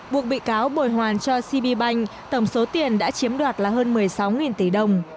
buộc bị cáo bồi hoàn cho cb bank tổng số tiền đã chiếm đoạt là hơn một mươi sáu tỷ đồng